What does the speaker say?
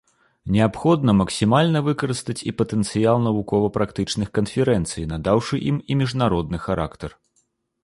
Неабходна максімальна выкарыстаць і патэнцыял навукова-практычных канферэнцый, надаўшы ім і міжнародны характар.